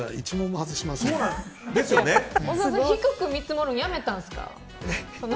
小沢さん、低く見積もるのやめたんですか。